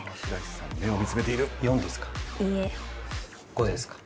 ５ですか？